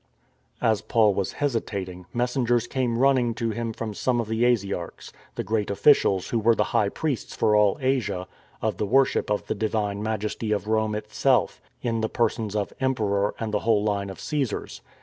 As Paul was hesitating, messengers came running to him from some of the Asiarchs — the great officials who were the High Priests for all Asia of the worship of the divine Majesty of Rome itself, in the persons of Emperor and the whole line of Caesars.